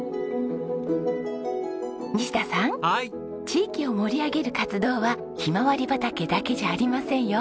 地域を盛り上げる活動はひまわり畑だけじゃありませんよ。